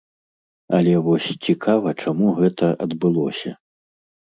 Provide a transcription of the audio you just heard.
Але вось цікава, чаму гэта адбылося?